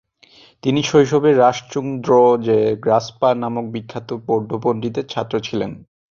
তিনি শৈশবে রাস-ছুং-র্দো-র্জে-গ্রাগ্স-পা নামক বিখ্যাত বৌদ্ধ পণ্ডিতের ছাত্র ছিলেন।